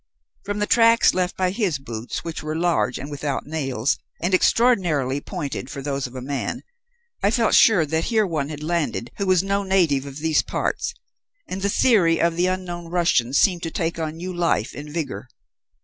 From the tracks left by his boots, which were large and without nails and extraordinarily pointed for those of a man, I felt sure that here one had landed who was no native of these parts, and the theory of the unknown Russian seemed to take on new life and vigour.